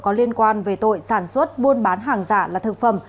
có liên quan về tội sản xuất buôn bán hàng giả là thực phẩm